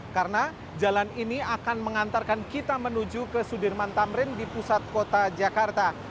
karena jalan ini akan mengantarkan kita menuju ke sudirman tamrin di pusat kota jakarta